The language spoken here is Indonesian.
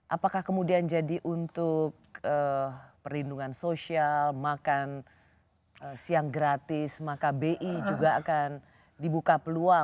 apakah kemudian jadi untuk perlindungan sosial makan siang gratis maka bi juga akan dibuka peluang